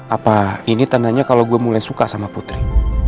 apa ini tanda nya kalo gua mulai suka sama putri